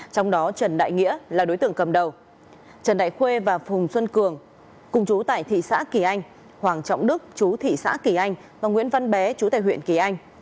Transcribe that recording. trong đó trần đại nghĩa là đối tượng cầm đầu trần đại khuê và phùng xuân cường cùng chú tại thị xã kỳ anh hoàng trọng đức chú thị xã kỳ anh và nguyễn văn bé chú tại huyện kỳ anh